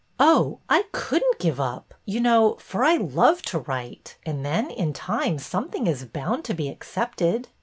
Oh, I could n't give up, you know, for I love to write, and then in time something is bound to be accepted."